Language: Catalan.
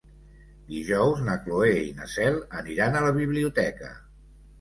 Dijous na Cloè i na Cel aniran a la biblioteca.